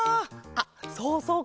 あっそうそう